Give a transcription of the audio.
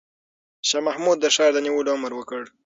شاه محمود د ښار د نیولو امر وکړ.